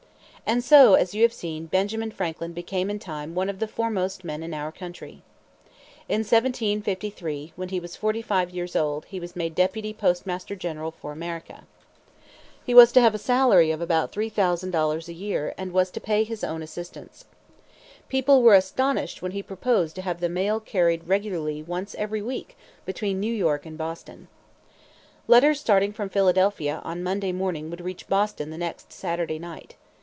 And so, as you have seen, Benjamin Franklin became in time one of the foremost men in our country. In 1753, when he was forty five years old, he was made deputy postmaster general for America. He was to have a salary of about $3,000 a year, and was to pay his own assistants. People were astonished when he proposed to have the mail carried regularly once every week between New York and Boston. Letters starting from Philadelphia on Monday morning would reach Boston the next Saturday night.